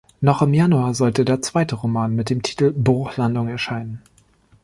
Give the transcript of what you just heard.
Noch im Januar sollte der zweite Roman mit dem Titel "Bruchlandung" erscheinen.